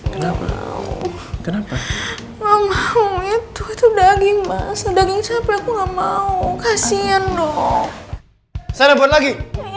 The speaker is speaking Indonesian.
kenapa kenapa enggak mau itu daging masa daging sampai aku nggak mau kasihan dong saya buat lagi